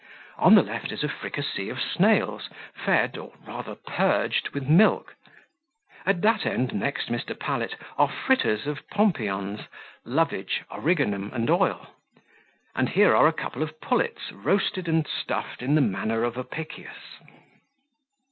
On the left is a fricassee of snails, fed, or rather purged, with milk. At that end next Mr. Pallet are fritters of pompions, lovage, origanum, and oil; and here are a couple of pullets roasted and stuffed in the manner of Apicius."